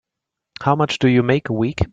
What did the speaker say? How much do you make a week?